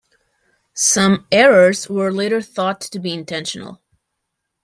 Some "errors" were later thought to be intentional.